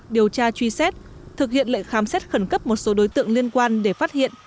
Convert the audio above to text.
điều tra truy xét thực hiện lệnh khám xét khẩn cấp một số đối tượng liên quan để phát hiện